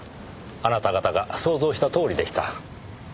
あなた方が想像したとおりでした。